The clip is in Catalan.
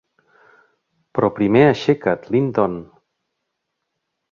Però primer, aixeca't, Linton!